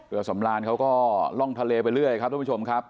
สำรานเขาก็ล่องทะเลไปเรื่อยครับทุกผู้ชมครับ